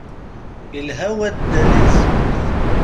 Ilha waddal i tezmert.